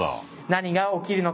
何が起きるのか